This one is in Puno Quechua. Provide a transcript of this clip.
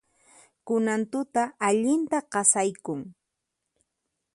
Kunan tuta allinta qasaykun.